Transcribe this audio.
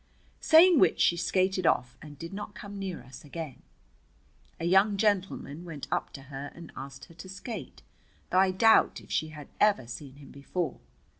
Saying which she skated off, and did not come near us again. A young gentleman went up to her and asked her to skate, though I doubt if she had ever seen him before.